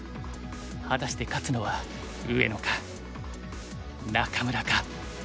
果たして勝つのは上野か仲邑か。